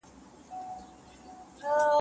تاسو باید د مقالي لپاره یو مناسب سرلیک وټاکئ.